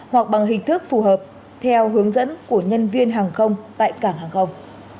hoặc bằng hình thức phù hợp theo hướng dẫn của nhân viên hàng không tại cảng hàng không